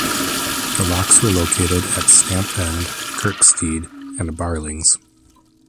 The locks were located at Stamp End, Kirkstead and Barlings.